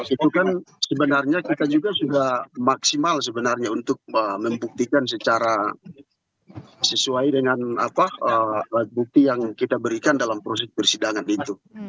itu kan sebenarnya kita juga sudah maksimal sebenarnya untuk membuktikan secara sesuai dengan alat bukti yang kita berikan dalam proses persidangan itu